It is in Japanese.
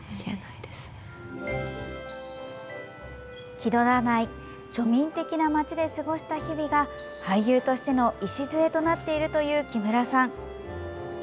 気取らない庶民的な町で過ごした日々が俳優としての礎となっているという木村さん。